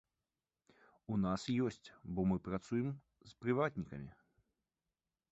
У нас ёсць, бо мы працуем з прыватнікамі.